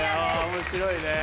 面白いね。